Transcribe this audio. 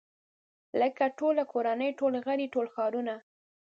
لکه ټوله کورنۍ ټول غړي ټول ښارونه.